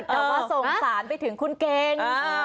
แต่ว่าสงสารไปถึงคุณเก่ง